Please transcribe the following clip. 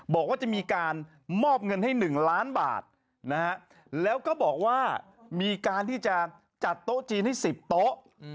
บอกว่าจะมีการมอบเงินให้๑ล้านบาทนะฮะแล้วก็บอกว่ามีการที่จะจัดโต๊ะจีนให้๑๐โต๊ะ